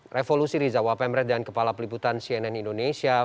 revolusi rizawa pemret dan kepala peliputan cnn indonesia